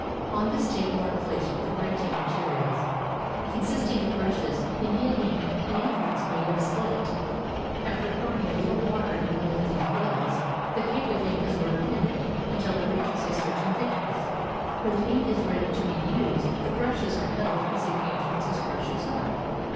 On this table are placed the writing materials, consisting of brushes, India ink, and ink wells made of slate. After pouring a Uttle water in one of these wells, the cake of ink is rubbed in it until it reaches a certain thickness, when the ink is ready to be used. The brushes are held as a painter's brushes are.